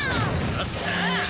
よっしゃ！